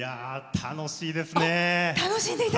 楽しいですね。